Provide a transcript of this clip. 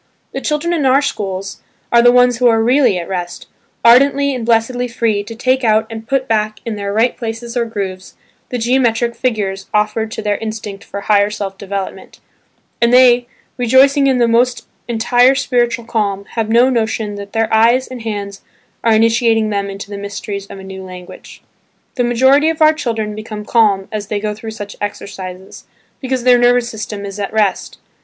The children in our schools are the ones who are really at rest, ardently and blessedly free to take out and put back in their right places or grooves, the geometric figures offered to their instinct for higher self development; and they, rejoicing in the most entire spiritual calm, have no notion that their eyes and hands are initiating them into the mysteries of a new language. The majority of our children become calm as they go through such exercises, because their nervous system is at rest.